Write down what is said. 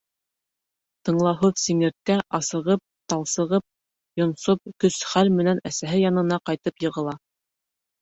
Тыңлауһыҙ сиңерткә асығып, талсығып, йонсоп көс-хәл менән әсәһе янына ҡайтып йығыла.